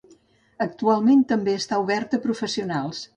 Actualment també està oberta a professionals.